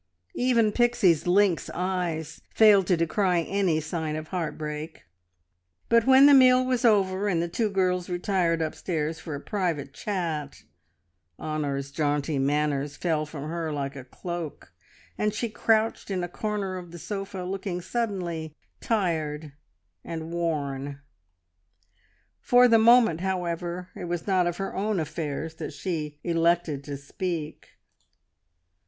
Even Pixie's lynx eyes failed to descry any sign of heart break. But when the meal was over and the two girls retired upstairs for a private chat, Honor's jaunty manners fell from her like a cloak, and she crouched in a corner of the sofa, looking suddenly tired and worn. For the moment, however, it was not of her own affairs that she elected to speak.